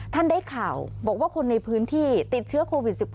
ได้ข่าวบอกว่าคนในพื้นที่ติดเชื้อโควิด๑๙